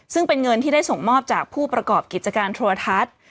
ซึ่งเป็นเงินที่ได้ส่งมอบจากผู้ประกอบกิจการโทรทัศน์